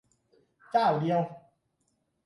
เจ้าเดียว !